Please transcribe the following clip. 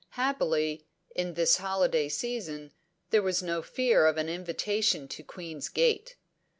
Happily, in this holiday season, there was no fear of an invitation to Queen's Gate.